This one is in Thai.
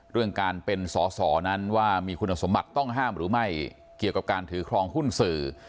เรื่องการเป็นสอสอนั้นว่ามีคุณสมบัติต้องห้ามหรือไม่เกี่ยวกับการถือครองหุ้นสื่อ